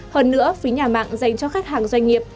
hơn nữa phí nhà mạng dành cho khách hàng doanh nghiệp